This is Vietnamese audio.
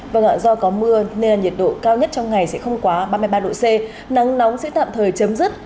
vâng ạ do có mưa nên nhiệt độ cao nhất trong ngày sẽ không quá ba mươi ba độ c nắng nóng sẽ tạm thời chấm dứt